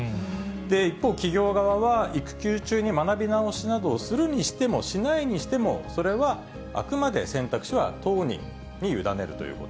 一方、企業側は育休中に学び直しなどをするにしても、しないにしても、それはあくまで選択肢は当人に委ねるということ。